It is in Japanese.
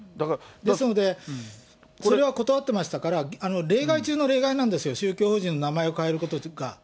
ですので、それは断ってましたから、例外中の例外なんですよ、宗教法人の名前を変えることとか。